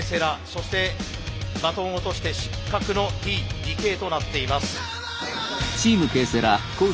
そしてバトンを落として失格のＴ・ＤＫとなっています。